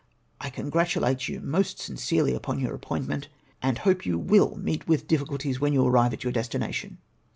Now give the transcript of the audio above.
" I congratulate you most sincerely upon your appointment, and hope you will meet wth difficulties when you arrive at your destination.